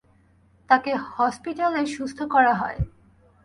তাকে হসপিটালে সুস্থ করানো হয়।